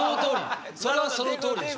それはそのとおりでしょ。